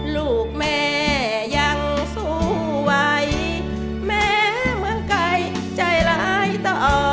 ลูกแม่ยังสู้ไหวแม้เมืองไก่ใจร้ายต่อ